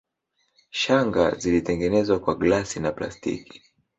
Shanga zilitengenezwa kwa glasi na plastiki